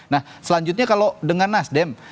nah selanjutnya kalau dengan nasdem